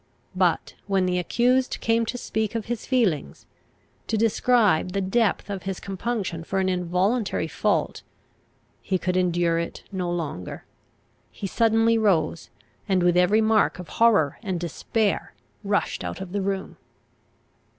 But when the accused came to speak of his feelings, to describe the depth of his compunction for an involuntary fault, he could endure it no longer. He suddenly rose, and with every mark of horror and despair rushed out of the room.